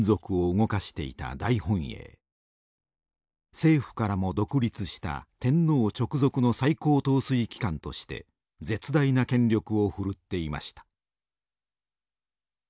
政府からも独立した天皇直属の最高統帥機関として絶大な権力を振るっていました。